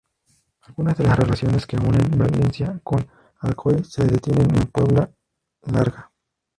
Algunas de las relaciones que unen Valencia con Alcoy se detienen en Puebla Larga.